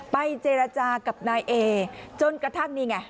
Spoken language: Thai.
เจรจากับนายเอจนกระทั่งนี่ไง